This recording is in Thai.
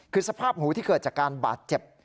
คือสภาพหูที่เกิดจากการบาดเจ็บ